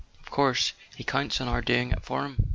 Of course he counts on our doing it for him."